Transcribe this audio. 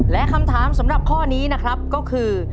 และคำถามสำหรับข้อนี้นะครับก็คือ